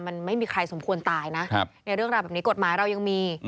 มันไม่มีใครสมควรตายนะในเรื่องราวแบบนี้กฎหมายเรายังมี